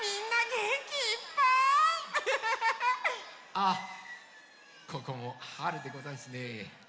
あっここもはるでござんすねえ。